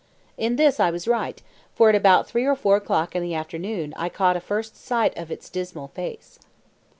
In this I was right, for at about three or four o'clock in the afternoon I caught a first sight of its dismal face.